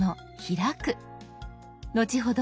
後ほど